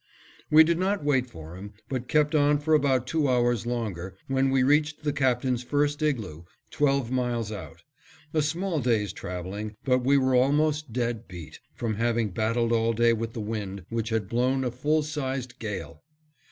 We did not wait for him, but kept on for about two hours longer, when we reached the Captain's first igloo, twelve miles out; a small day's traveling, but we were almost dead beat, from having battled all day with the wind, which had blown a full sized gale.